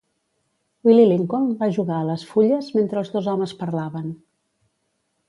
Willie Lincoln va jugar a les fulles mentre els dos homes parlaven.